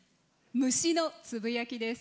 「虫のつぶやき」です。